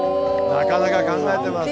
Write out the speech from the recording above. なかなか考えてますね。